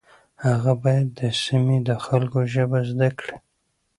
هغه باید د سیمې د خلکو ژبه زده کړي.